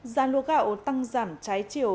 giá lúa gạo tăng giảm trái chiều